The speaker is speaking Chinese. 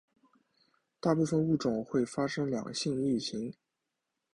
大部份物种会发生两性异形。